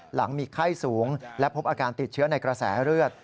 หลังมีไข้สูงและพบอาการติดเชื้อในกระแสเลือด